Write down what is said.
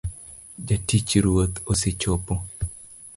Jatich ruoth osechopo